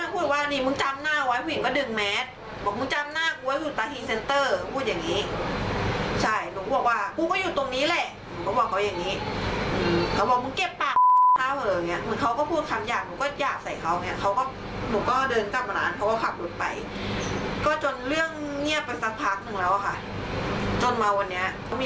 เขาพูดคำอยากฉันก็อยากใช้เขา